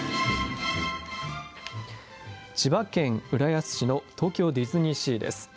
千葉県浦安市の東京ディズニーシーです。